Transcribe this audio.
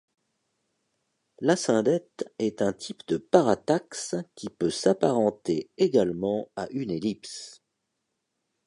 L'asyndète est un type de parataxe qui peut s'apparenter également à une ellipse.